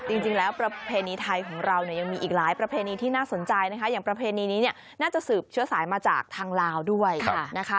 จริงแล้วประเพณีไทยของเราเนี่ยยังมีอีกหลายประเพณีที่น่าสนใจนะคะอย่างประเพณีนี้เนี่ยน่าจะสืบเชื้อสายมาจากทางลาวด้วยนะคะ